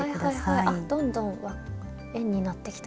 あっどんどん円になってきた。